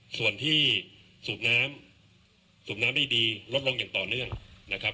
ส่วนที่สูบน้ำได้ดีรวดลงอย่างต่อนื่อย